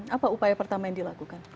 apa upaya pertama yang dilakukan